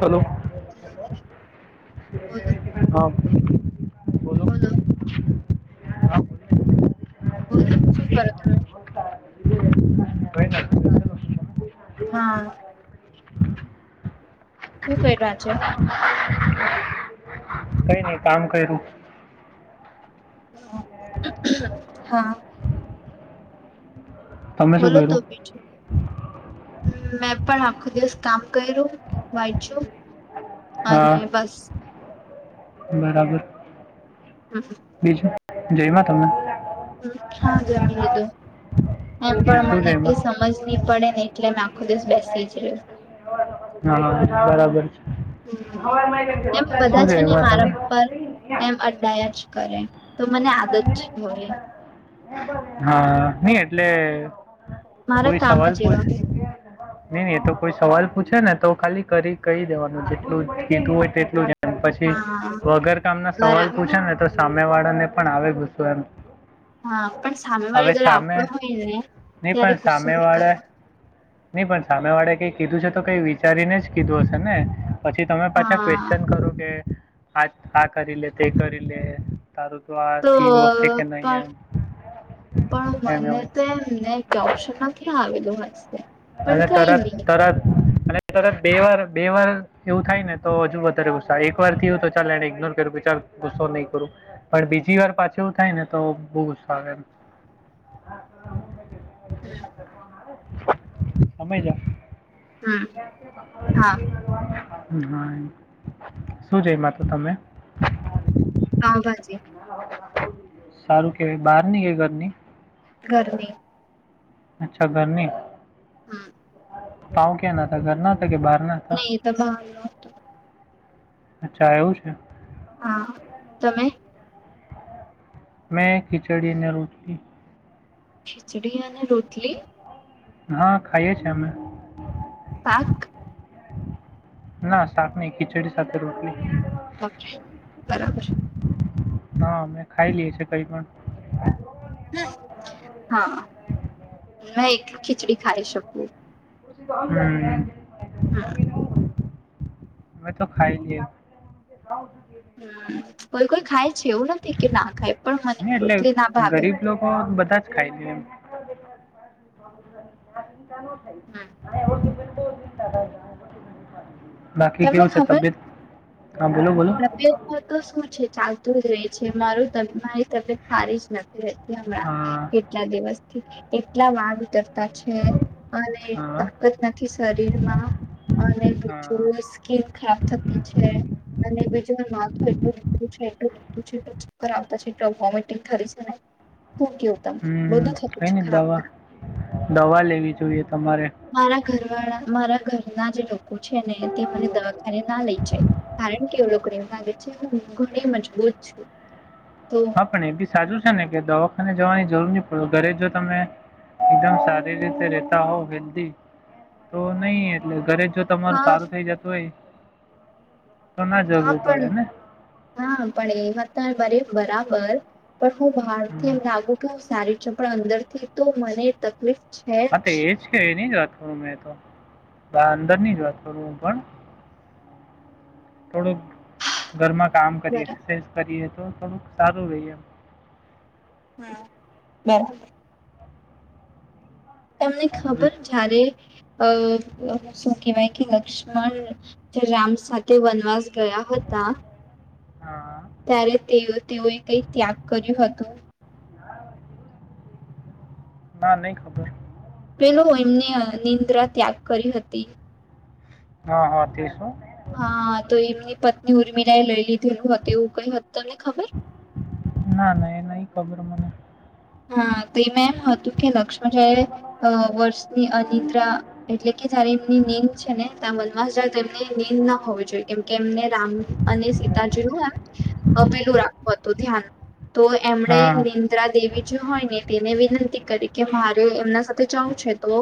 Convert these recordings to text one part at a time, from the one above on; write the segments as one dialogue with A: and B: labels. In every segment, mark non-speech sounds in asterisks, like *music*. A: Hello
B: બોલો
A: હામ
B: બોલો
A: *inaudible*
B: બોલો શું કરો તમે?
A: *unintelligible*
B: હા શું ક રહ્યા છે
A: કઈ નહ કામ કર્યું
B: હ હા
A: તમે શું
B: બોલો તો
A: કર્યું
B: મેં પણ આખો દિવસ કામ કર્યું વાટ છું
A: હા
B: અને બસ
A: બરાબર
B: હમા
A: બીજું જોયમાં તમે
B: હ હા જમીલું એમ પણ
A: શું છે
B: મને કઈ
A: એમાં
B: સમજ નહી પડે ને એટલે મેં આખો દિવસ બેસી જ રહ્યું
A: હા બરાબર
B: રહ્યો એમ
A: છે
B: બધા
A: શું છે
B: ને મારા
A: તમે
B: પર એમ અડાયા જ કરે તો મને આદત છે હોય
A: હા નઈ એટલે
B: મારા
A: કોઈ
B: કામ
A: સવાલ
B: જ
A: પછ
B: એવા
A: નઈ ન એ તો કોઈ સવાલ પૂછે ને તો ખાલી કરી કહી દેવાનું જેટલું કીધું હોય તેટલું જ અને પછી
B: હા
A: વગર કામ ના સવાલ
B: બરાબર
A: પૂછે ને તો સામે વાળા ને પણ આવે ગુસો એમ
B: હા પણ સામે વાળે
A: હવે
B: જયારે આપડો
A: સામે
B: હોય ને ત્યારે ગુસ્સો નહી કરવો
A: નઈ પણ સામે વાળે કઈ કીધું છે તો કઈ વિચારીને જ કીધું હશે ને પછી તમે પાછા
B: હા
A: ક્વેશ્ચન કરો કે આ આ કરી લે તે કરી લે તારું તો આ થીયું હશે કે નહીં એમ
B: પણ
A: એમ
B: મને
A: એવું
B: તો એમને ચોપ્શનમાંથી આવેલું હશે પણ કઈ નહી
A: દરત ત બેવાર બેવાર એવું થાય ને તો હજુ વધારે ગુસ્સા એક વાર થીય તો ચાલ એને ઇગ્નોર કર્યું ચાર ગુસ્ો નહીં કરો પણ બીજી વાર પાછું એવું થાય ને તો બહુ ગ આવે એમ
B: હમ
A: સમયજ
B: હમ હા
A: હા શું છેઈ મા તો તમે
B: પાાભાજી
A: સારું કેવાય બહારની કે ઘરની
B: ઘરની
A: અચ્છા ઘરનીી
B: હમ
A: પાા ક્યા ના થ ઘર ના હતા કે બહાર ના
B: નહી તો ભ
A: અચ્છા એવું છે
B: હા તમે
A: મેં ખીચડી અને રોટી
B: ખિચડી અને રોટલી
A: હા ખાઈએ છે અમે.
B: પાક?
A: ના સાક નહી, ખિચડી સાથે રોટલી.
B: ઓ બરાબર
A: હા મેમે ખાઈ લીીએ કઈ પણ
B: હા મે એકટલ ખીચડી ખાઈ શકું
A: હમ
B: હા
A: અમે તો ખાઈ લ ુંું
B: હમ્મ, કોઈ કોઈ ખાય છે એવું નથી કે ના ખાય પણ મને એમ રોટલી ના ભાવે.
A: એલોકો, બધા જ ખાઈ લે એમ. ત ચિંતા ન થઈ અ બલ ચિંતા થજ બાકી
B: તમને
A: કેવું છે
B: ખબર
A: તબેત? હા બોલો બોલો.
B: હ તો શું છે ચાલતું જ રે છે મારું ત મારી તબેત હારી જ નથી રેહતી હમણાં.
A: હા
B: કેટલા દિવસથી. એટલા લાડ ઉતરતા છે અને
A: હા
B: તાકત નથી શરીરમાં અને
A: હા
B: બીજું સ્કીન ખરાબ થતી છે અને બીજું ન માથું એટલું દુખતું છે, એટલું દુખતું છે કે ચક્કર આવતા છે એટલા વોમિટિંગ થરી *unintelligible*
A: હમ્મ કઈ ની દવા, દવા લેવી જોઈએ તમારે.
B: મારા ઘર વાળા, મારા ઘરના જે લોકો છે ને તે મને દવાખાને ના લઈ જાય, કારણ કે એવડો લોકોને એવું લાગે છે હું ઘણી મજબૂત છું, તો
A: હા પણ એ બી સાચું છે ને કે દવાખાને જવાની જરૂર ની પડો, ઘરે જો તમે એકદમ સારી રીતે રેતા હોવ હેલ્ધી, તો નહી એટલે ઘરે જો તમારું
B: હા
A: સારું થઈ જતું હોય, તો ના
B: હા
A: જરૂર
B: પણ
A: પડે ને.
B: હા પણ એ વાત તમે બરી બરાબર પણ હું ભાર થી
A: હમ.
B: એમ લાગુ કે હું સારી છું પણ અંદર થી તો મને તકલીફ છે
A: હા તો
B: જ.
A: એજ કે એની જ વાત કરું મેં તો, બા અંદરની જ વાત કરું હું પણ. થોડુંક ઘરમાં કામ કરીએ,
B: બરાબર
A: એક્સરસાઇઝ કરીએ તો થોડુંક સારું રે એમ.
B: હા બરાબર. એમને
A: બધું જ.
B: ખબર જ્યારે અ શું કેહવાય કે લક્ષ્મણ જો રામ સાથે વનવાસ ગયા હતા,
A: હા
B: ત્યારે તેઓ તેઓએ કઈક ત્યાગ કર્યું હતું?
A: ના નહીં ખબર.
B: પેલું એમને નિંદ્રા ત્યાગ કરી હતી.
A: હા હા તે શું?
B: હા તો એમની પત્ની ઉર્મિલાએ લઈ લીધેલું હતું એવું કઈ હતું તમને ખબર?
A: ના ના એ નઈ ખબર મને.
B: હા તેમ એમ હતું કે લક્ષ્મણ જા એ અ વર્ષની અનિદ્રા એટલે કે જયારે એમની નીંદ છે ને તા મનમાંસ જાય તો એમને નીંદ ના હોવી જોઈએ કેમ કે એમને રામ અને સીતાજી નું એમ પેલું રાખું હતું ધ્યાન. તો એમણે
A: હા
B: નિંદ્રા દેવી જે હોય ને તેને વિનંતી કરી કે મારે એમના સાથે જવું છે તો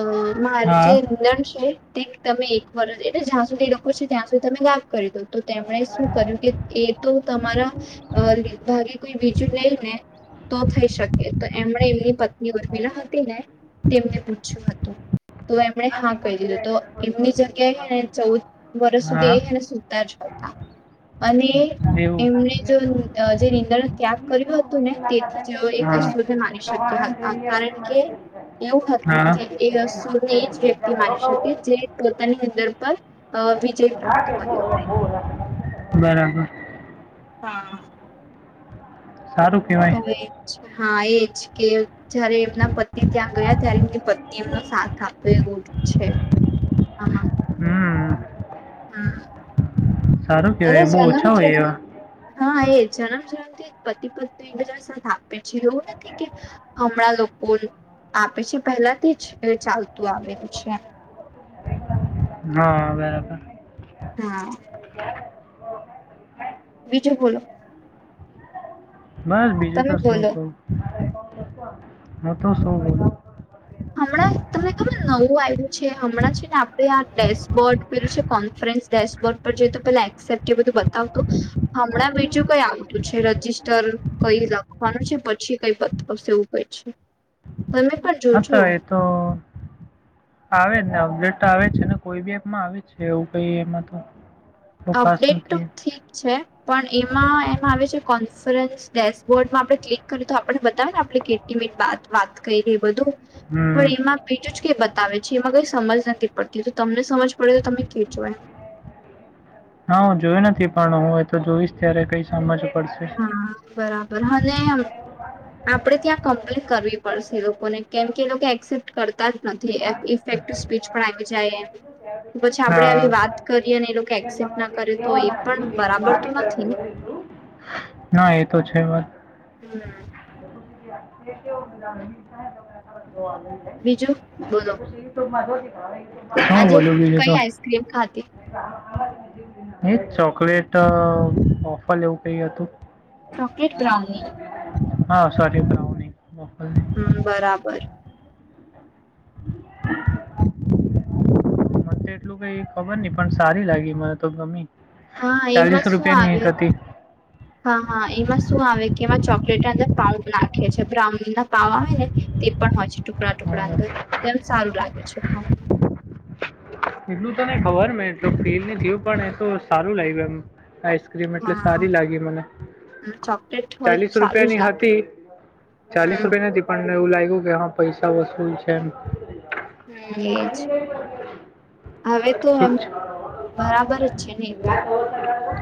B: અ મારી
A: હા
B: જે નીંદર છે તે તમે એક વરષ એટલે જા સુધી એ લોકો છો ત્યાં સુધી મેં વાક કરી દો તો તેમણે શું કર્યું કે એ તો તમારા અ ભાગે કોઈ બીજું લઈ ને તો થઈ શકે તો એમણે એમની પત્ની ઉર્મિલા હતી ને, તેમને પૂછ્યું હતું. તો એમણે હા કઈ દીધું તો એમની જગ્યાએ હે ને ચૌદ વર્ષ સુધી એ
A: હા
B: હેને સુતા જ હતા, અને
A: એવું
B: એમને જો જે નીંદણ ત્યાગ કર્યું હતું ને થી જેવો એક
A: હા.
B: અસુર મારી શક્યા હતા, કારણ કે એવું હતું
A: હા
B: કે એ અસુર એ જ વ્યક્તિ મારી શકે, જે પોતાની અંદર પર વિજય પ્રાપ્ત કરી
A: બરાબર.
B: હા.
A: સારું.
B: તો
A: કહેવાય
B: એજ, હા એજ કે જ્યારે એમના પતિ ત્યાં ગયા ત્યારે એમની પત્ની એ એમનો સાથ આપ્યો એવું છે. હા હા.
A: હમ
B: હમ
A: સારું
B: એને
A: કહેવાય બહુ
B: જ્યારના
A: ઓછા
B: હું
A: હોય
B: જોયા તાન
A: એવા
B: હા એ જન્મ જન્મ થી પતિ પત્ની એકબીજા ને સાથ આપે છે. એવું નથી કે હમણાં લોકો આપે છે પહેલાથી અને ચાલતું આવેલું છે.
A: ના આવે આવે
B: ના અ બીજુ બોલો
A: બસ બીજું
B: તમે
A: તો શું
B: બોલો
A: કવ હતો શું
B: હમણાં તમને ખબર નવું આવ્યું છે. હમણાં છે ને આપડે આ ડેસ્કબોર્ડ કર્યું છે. કોન્ફરન્સ ડેસ્ક વક્ત પછી તો પેલા ક્સેપ્ટ કે બધું બતાવતું, હમણાં બીજુ કઈ આવતું છે. રજિસ્ટર કઈ લખવાનું છે. પછી કઈ બતાવશે એવું કઈ છે. તમે પણ
A: હા તો
B: જોજો
A: એ તો આવે જ ને અપડેટ તો આવે છે, ને કોઈ બી એપમાં આવે જ છે. એવું કઈ એમાં તો બહુ ખાસ
B: અપડેટ તો
A: નથી
B: ઠીક છે. પણ એમાં એમ આવે છે, કોન્ફરન્સ ડેશબોર્ડ માં આપણે ક્લિક કર્યું તો આપણે બતાવે ને કે આપણે કેટલી મિનિટ વાત કરી એ બધું
A: હમ
B: ભૂઇલ મા બીજું જ કે બતાવે છે. એમાં કઈ સમજ નથી પડતી તો તમને સમજ પડે તો તમે કે જોય એમ
A: હા હું જોયું નથી પણ હું એ તો જોઈશ ત્યારે કઈ સમજ પડશે
B: હા બરાબર હલે એમ આપણે ત્યાં કમ્પ્લેન કરવી પડશે લોકોને કેમ કે એ લોકો એક્સેપ્ટ કરતા જ નથી ઇફેક્ટ ટુ સ્પીચ પણ આપી જાય એમ
A: *unintelligible*
B: પછી આપડે આવી
A: હા.
B: વાત કરીએ અને એ લોકો એક્સેપ્ટ ના કર્યો
A: ના એતો છે મત
B: હમ
A: *unintelligible*
B: બીજું બોલો
A: *unintelligible*
B: આજે
A: બોલું બીજું
B: કઈ
A: તો
B: આઈસક્રીમ ખાધી
A: એ ચોકલેટ ઓફર એેવું કઈ હતું
B: ચોકલેટ બ્રાઉની
A: હા સાજે બ્રાઉની મોકલજે
B: હમ બરાબર
A: તો એટલું ખબર નઈ પણ સારી લાગી મને તો ગમી
B: હા એમાં
A: ચાલીસ
B: શું
A: રૂપિયા ની
B: આવે
A: એક હતી હ
B: હા હા એમાં શું આવે કે એમાં ચોકલેટ અંદર પાવ નાખે છે બ્રાઉન ના પાવ આવે ને તે પણ હોય છે. ટુકડા ટુકડા અંદર તેમ સારું લાગે છે ખાઓ
A: એટલું તો નઈ ખબર એટલ ફલ ને થયું પણ એ તો સારું લાગ્યું એમ ક્રીમ એટલે
B: હા
A: સારી લાગી મને
B: હમ, ચોકલેટ હોય તો
A: ચાલીસ
B: સારું જ
A: રૂપિયાની
B: લાગે
A: હતી ચાલીસ
B: હમ
A: રૂપિયા નથી પણને એવું લાગ્યું કે હા પૈસા વસુલ છે.
B: હ એજ હવે તો
A: ઠીક છે
B: બરાબર જ છે ને તો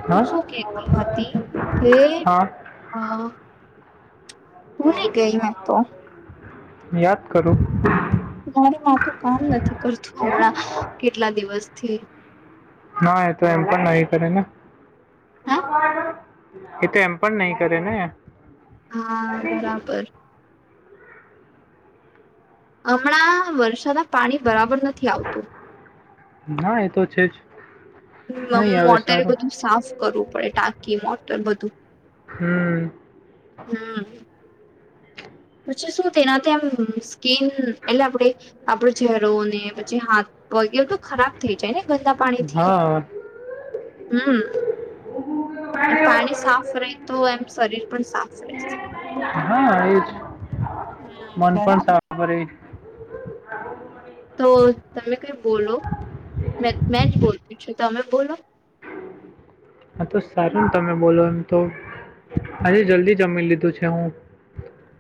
B: હું
A: હા
B: શું કેતી હતી કે
A: હા
B: આ ભૂલી ગઈ મેં તો.
A: યાદ કરું
B: મારે માથું કામ નથી કરતું હમણાં કેટલા દિવસથી
A: ના એ તો એમ પણ નહી કરે ને
B: હા
A: એ તો એમ પણ નહી કરે ને
B: હા બરાબર હમણાં વરષાના પાણી બરાબર નથી આવતું
A: ના એ તો છે જ નહીં આવે
B: મોટરે
A: સારું
B: બધું સાફ કરવું પડે ટાંકી મોટર બધું
A: હમ
B: હા પછી શું તેનાથી એમ સ્કીન એટલે આપણે આપડો ચહેરોને પછી હાથ વગ તો ખરાબ થઇ જાય ને ગંદા પાણી થી
A: હા
B: હમ એમ પાણી સાફ રહે તો એમ શરીર પણ સાફ રહેશે.
A: હા એજ મન
B: હમ
A: પણ
B: બરાબર.
A: સાફ કરે.
B: તો તમે કઈ બોલો મે મેં જ બોલત છેું તમે બોલો
A: હા તો સારું ને તમે બોલો એમ તો આજે જલ્દી જમી લીધું છે હું.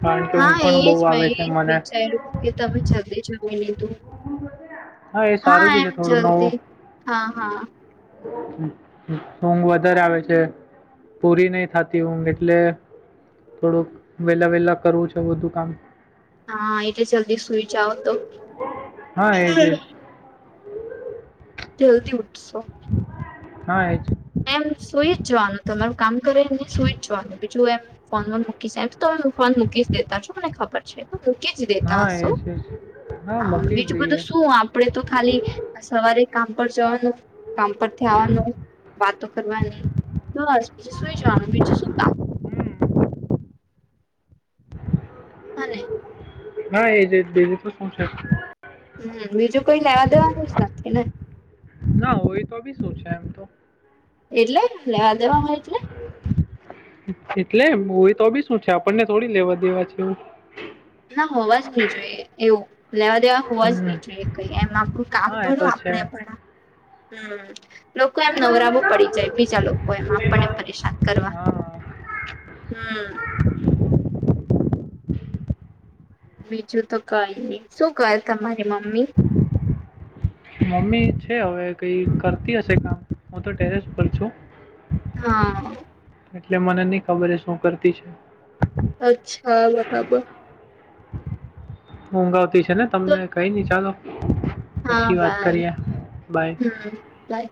A: કારણ કે ઊંઘ
B: હા
A: પણ બહુ
B: એજ મેં
A: આવે છે
B: એજ
A: મને
B: વિચાર્યું કે તમે જાતે જમી લીધું.
A: હા એ સારું બી છે
B: એમ
A: થોડું નવું
B: જલ્દી હા હા
A: ઊંઘ વધારે આવે છે. પૂરી નહી થાતી ઊંઘ એટલે થોડુંક વહેલા વેહેલા કરવું છે બધું કામ
B: હા એટલે જલ્દી સુઈ જાવ તો
A: હા એજ એજ
B: જલ્દી ઉઠશો
A: હા એજ
B: એમ સુઈ જ જવાનું તમારું કામ કરે નહી સુઈ જ જવાનું બીજું એમ ફોનમાં મૂકી શાય *inaudible* એમ તો તમે હું ફોન મૂકી દેતા છો મને ખબર છે મૂકી જ દેતા
A: હા
B: હશો
A: એજ એજ
B: હા
A: મૂકી જ
B: બીજું બધું
A: દઈએ
B: શું આપ આપડે તો ખાલી સવારે કામ પર જવાનું કામ પરથી આવવાનું. વાતો કરવાની બસ બીજું સુઈ જવાનું બીજું શું કામ
A: હ *inaudible*
B: અને
A: હા એજ એજ બીજું શું કોન્ટેક.
B: હમ બીજું કોઈ લેવા દેવા નથી ને.
A: ના હોય તો બી શું છે એમ તો
B: એટલે લેવા દેવા હોય એટલે.
A: એટલે હોએ તો બી શું છે આપણને થોડી લેવા દેવા છે.
B: ના હોવા જ નહી જોઈએ એવું લેવા દેવા હોવા જ
A: હમ
B: નહી જોએ કઈ એમ આપણું કામ
A: હા એ
B: ભડ્યું
A: તો છે
B: આપણે પણ હમ લોકો એમ નવરા બ‌ઉ પડી જાય બીજા લોકો એમ આપને પરેશાન કરવા
A: હા
B: હમ બીજું તો કઈ નહી શું ક તમારી મમ્મી?
A: મમ્મી છે હવે કઈ કરતી હશે કામ હું તો ટેરેસ પર છું.
B: હા
A: એટલે મને નહી ખબર એ શું કરતી છે.
B: અચ્છા બરાબર
A: ઊંઘ આવતી છે ને તમને કઈ નહ ચાલો.
B: હા
A: પછી વાત
B: બાય
A: કરીએ બાય.
B: હમ બાય.